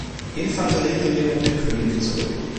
Infanterie-Regiment „König“ zurück.